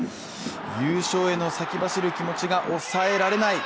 優勝への先走る気持ちが抑えられない。